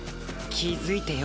気づいてよ